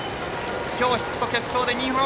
きょう、ヒット決勝で２本。